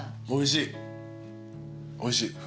おいしい。